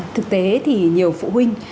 thực tế thì nhiều phụ huynh